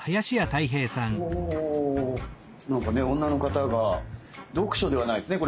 おなんかね女の方が読書ではないですね